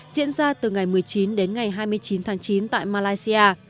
diễn ra từ ngày một mươi chín đến ngày hai mươi chín tháng chín tại malaysia